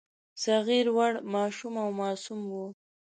صغیر وړ، ماشوم او معصوم وو.